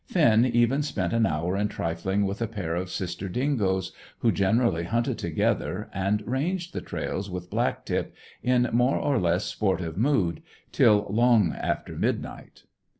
Finn even spent an hour in trifling with a pair of sister dingoes who generally hunted together, and ranged the trails with Black tip, in more or less sportive mood, till long after midnight.